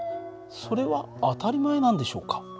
それは当たり前なんでしょうか。